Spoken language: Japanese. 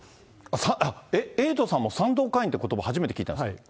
エイトさんも賛同会員ってことば、初めて聞いたんですか？